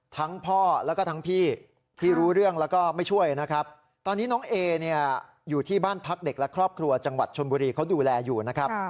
พ่อแล้วก็ทั้งพี่ที่รู้เรื่องแล้วก็ไม่ช่วยนะครับตอนนี้น้องเอเนี่ยอยู่ที่บ้านพักเด็กและครอบครัวจังหวัดชนบุรีเขาดูแลอยู่นะครับ